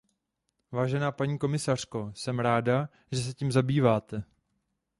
Vážená paní komisařko, jsem ráda, že se tím zabýváte.